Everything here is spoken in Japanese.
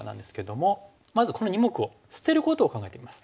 まずこの２目を捨てることを考えてみます。